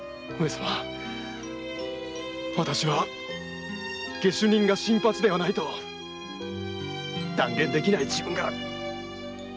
私は下手人が新八ではないと断言できない自分が辛いのです。